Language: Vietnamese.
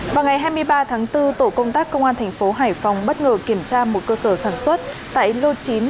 vào ngày hai mươi ba tháng bốn tổ công tác công an thành phố hải phòng bất ngờ kiểm tra một cơ sở sản xuất tại lô chín